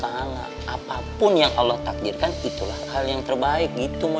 apapun yang allah takdirkan itulah hal yang terbaik gitu